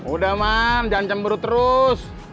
udah man jangan cemburu terus